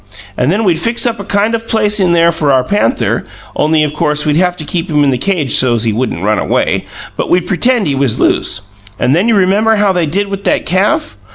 And then we'd fix up a kind of place in there for our panther, only, of course, we'd haf to keep him in the cage so's he wouldn't run away; but we'd pretend he was loose. And then you remember how they did with that calf?